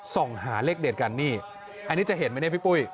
ส่องหาเลขเด็ดกันนี่อันนี้จะเห็นไหมเนี่ยพี่ปุ้ย